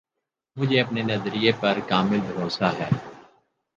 مجھے اپنے نظریہ پر کامل بھروسہ ہے